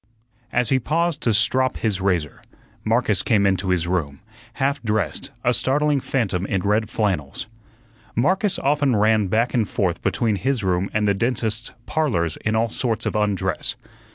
As he paused to strop his razor, Marcus came into his room, half dressed, a startling phantom in red flannels. Marcus often ran back and forth between his room and the dentist's "Parlors" in all sorts of undress.